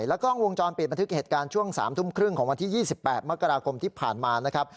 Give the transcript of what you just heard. แล้วก็วงจรเปลี่ยนมาถึงเหตุการณ์ช่วงสามทุ่มครึ่งของวันที่๒๘มกรกรกรมที่ผ่านมานะครับ